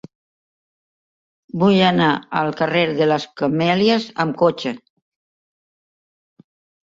Vull anar al carrer de les Camèlies amb cotxe.